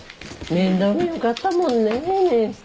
面倒見よかったもんねー姉さん。